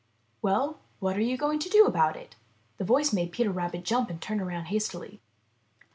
''Well, what are you going to do about it?" The voice made Peter jump and turn around hastily.